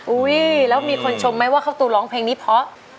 อุ้ยแล้วมีคนชมไหมว่าข้าวตูนร้องเพลงนี้เพราะ